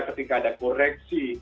ketika ada koreksi